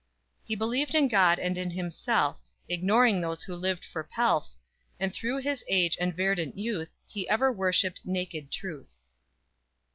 _He believed in God and in himself, Ignoring those who lived for pelf, And through his age and verdant youth He ever worshiped naked Truth!